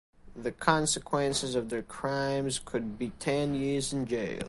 The consequences of their crimes could be ten years in jail.